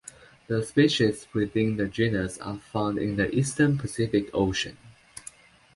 The species within the genus are found in the eastern Pacific Ocean.